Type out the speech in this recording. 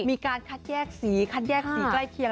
มีการคัดแยกสีคัดแยกสีใกล้เคียง